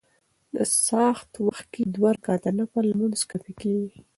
د څاښت وخت کي دوه رکعته نفل لمونځ کافي کيږي